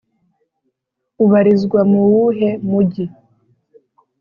Ubarizwa muwuhe mugi.